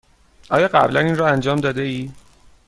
آیا قبلا این را انجام داده ای؟